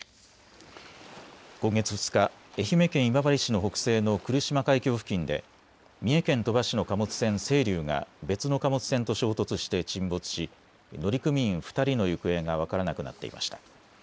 今月２日、愛媛県今治市の北西の来島海峡付近で三重県鳥羽市の貨物船せいりゅうが別の貨物船と衝突して沈没し乗組員２人の行方が分からなくなっていました。